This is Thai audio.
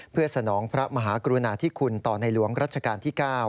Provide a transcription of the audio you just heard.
เพื่อสนองพระมหากรุณาธิคุณต่อในหลวงรัชกาลที่๙